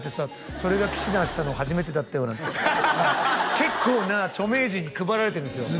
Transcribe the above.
「それが氣志團知ったの初めてだったよ」なんて結構な著名人に配られてるんですよ